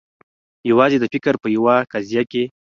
یوازي د فکر په یوه قضیه کي